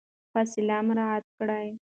فاصله مراعات کړئ.